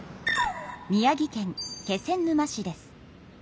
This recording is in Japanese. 宮城県気仙沼市です。